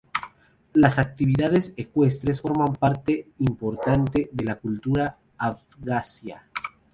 Las actividades ecuestres forman una parte importante de la cultura de Abjasia.